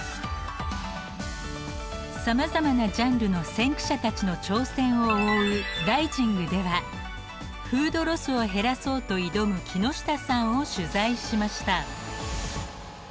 さまざまなジャンルの先駆者たちの挑戦を追う「ＲＩＳＩＮＧ」ではフードロスを減らそうと挑む木下さんを取材しました。